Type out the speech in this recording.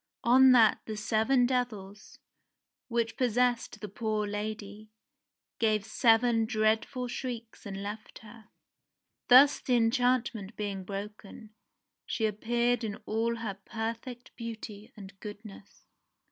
On that the seven devils, which possessed the poor lady, gave seven dreadful shrieks and left her. Thus the enchantment being broken, she appeared in all her perfect beauty and goodness.